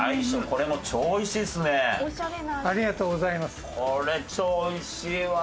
これ超おいしいわ！